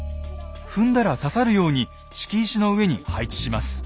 踏んだら刺さるように敷石の上に配置します。